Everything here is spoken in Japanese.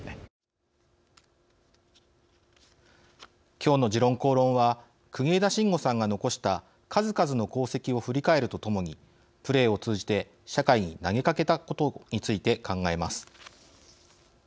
今日の「時論公論」は国枝慎吾さんが残した数々の功績を振り返るとともにプレーを通じて社会に投げかけたことについて考えます。